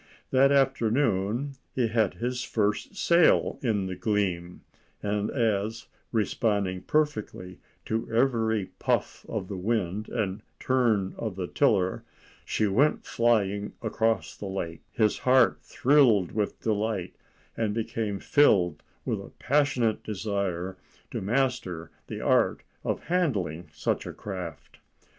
That afternoon he had his first sail in the Gleam, and as, responding perfectly to every puff of the wind and turn of the tiller, she went flying across the lake, his heart thrilled with delight, and became filled with a passionate desire to master the art of handling such a craft.